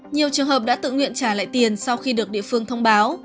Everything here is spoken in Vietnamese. nhiều trường hợp đã tự nguyện trả lại tiền sau khi được địa phương thông báo